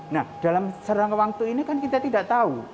nah dalam seberang kewangku ini kan kita tidak tahu